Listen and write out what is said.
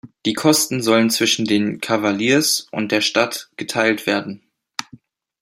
Die Kosten sollen zwischen den "Cavaliers" und der Stadt geteilt werden.